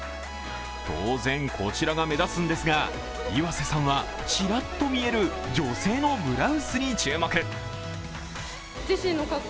当然、こちらが目立つんですが岩瀬さんはちらっと見える女性のブラウスに注目。